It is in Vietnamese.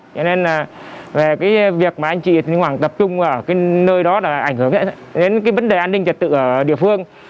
cho nên là về cái việc mà anh chị minh hoàng tập trung ở cái nơi đó là ảnh hưởng đến cái vấn đề an ninh trật tự ở địa phương